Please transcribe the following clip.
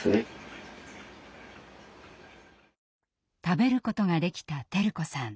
食べることができた輝子さん。